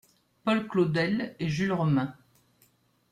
Paul Claudel et Jules Romains.